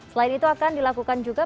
selain itu akan dilakukan juga